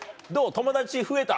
友達増えた？